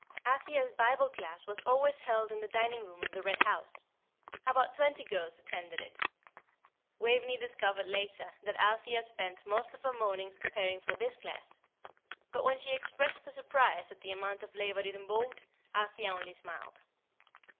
Althea's Bible class was always held in the dining room of the Red House. About twenty girls attended it. Waveney discovered later that Althea spent most of her mornings preparing for this class; but when she expressed her surprise at the amount of labour it involved, Althea only smiled.